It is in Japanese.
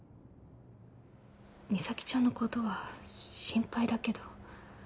実咲ちゃんのことは心配だけど